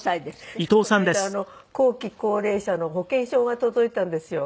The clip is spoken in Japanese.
この間後期高齢者の保険証が届いたんですよ。